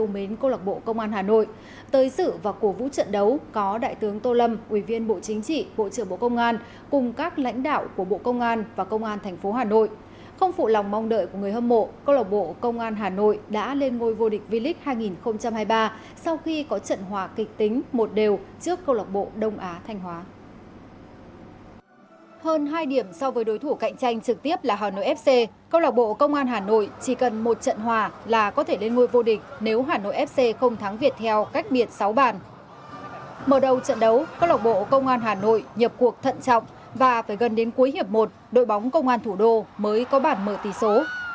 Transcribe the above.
mở đầu trận đấu công loại bộ công an hà nội nhập cuộc thận trọng và phải gần đến cuối hiệp một đội bóng công an thủ đô mới có bản mở tỷ số